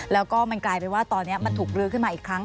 แล้วก็มันกลายเป็นว่าตอนนี้มันถูกลื้อขึ้นมาอีกครั้ง